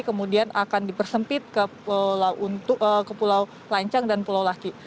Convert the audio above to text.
kemudian akan dipersempit ke pulau lancang dan pulau laki